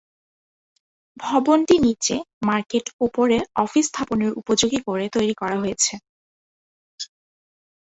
ভবনটি নিচে মার্কেট উপরে অফিস স্থাপনের উপযোগী করে তৈরি করা হয়েছে।